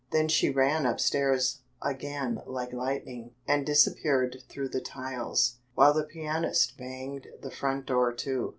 Then she ran upstairs again like lightning, and disappeared through the tiles, while the pianist banged the front door to.